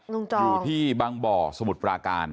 อยู่ที่บางบ่อสมุทรปราการ